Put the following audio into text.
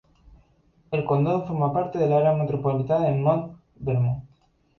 El condado forma parte del área metropolitana de Mount Vernon.